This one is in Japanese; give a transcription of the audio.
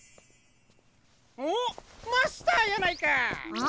おっマスターやないか！